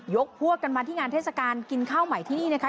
พวกกันมาที่งานเทศกาลกินข้าวใหม่ที่นี่นะคะ